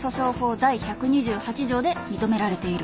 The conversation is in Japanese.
第１２８条で認められている］